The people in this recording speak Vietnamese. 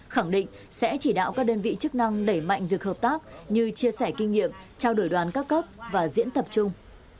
khẳng định sẽ chỉ đạo các đơn vị chức năng đẩy mạnh việc hợp tác như chia sẻ kinh nghiệm trao đổi đoàn các cấp và diễn tập chung